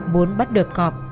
muốn bắt được cọp